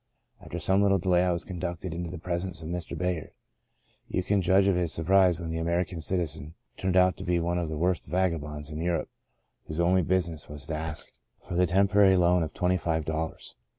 * After some little delay I was conducted into the presence of Mr. Bayard. You can judge of his surprise when the American citizen turned out to be one of the worst vagabonds in Europe whose only business was to ask 82 Into a Far Country for the temporary loan of twenty five dollars